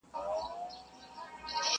نن به څه خورې سړه ورځ پر تېرېدو ده!.